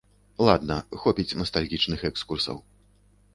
Ладна, хопіць настальгічных экскурсаў.